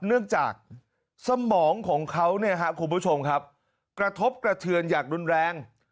เนื่องจากสมองของเขาเนี่ยครับคุณผู้ชมครับกระทบกระเทือนอย่างรุนแรง